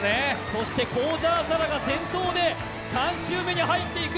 そして幸澤沙良が先頭で３週目に入っていく。